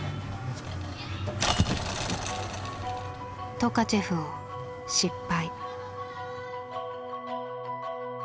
トカチェフを失敗。